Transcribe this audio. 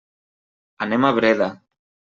Anem a Breda.